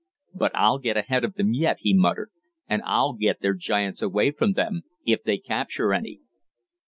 "But I'll get ahead of them yet!" he muttered, "and I'll get their giants away from them, if they capture any."